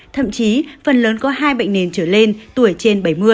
thậm chí phần lớn có hai bệnh nền trở lên tuổi trên bảy mươi